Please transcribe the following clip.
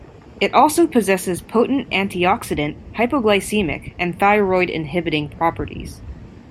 It also possesses potent antioxidant, hypoglycemic and thyroid inhibiting properties.